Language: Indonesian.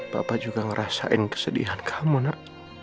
bapak juga ngerasain kesedihan kamu nak